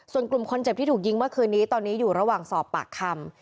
ส่วนกลุ่มคนเจ็บที่ถูกยิงเมื่อคืนนี้ตอนนี้อยู่ระหว่างสอบปากคำ